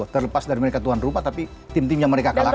terlepas dari mereka tuan rupa tapi tim tim yang mereka kalahkan